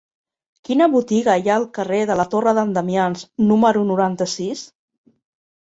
Quina botiga hi ha al carrer de la Torre d'en Damians número noranta-sis?